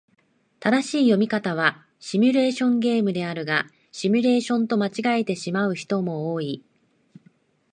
正しい読み方はシミュレーションゲームであるが、シュミレーションと間違えてしまう人も多い。